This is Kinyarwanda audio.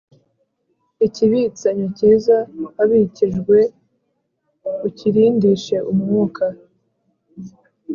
Ikibitsanyo cyiza wabikijwe ukirindishe Umwuka